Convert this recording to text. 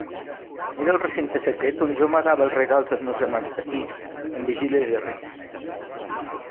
Era el recinte secret on jo amagava els regals dels meus germans petits en vigílies de Reis.